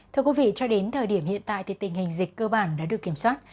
thưa quý vị cho đến thời điểm hiện tại thì tình hình dịch cơ bản đã được kiểm soát